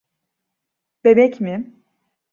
Bebek mi?